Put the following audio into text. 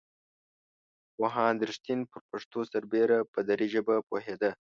پوهاند رښتین پر پښتو سربېره په دري ژبه پوهېده.